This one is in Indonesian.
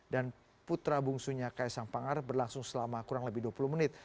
dan putra bungsunya ks angpangar berlangsung selama kurang lebih dua puluh menit